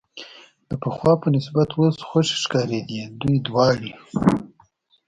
د پخوا په نسبت اوس خوښې ښکارېدې، دوی دواړې.